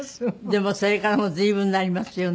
でもそれからもう随分になりますよね。